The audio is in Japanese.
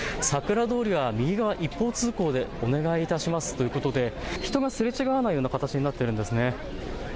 桜通りは右側一方通行でお願いいたしますということで、人がすれ違わないような形になっているんですね。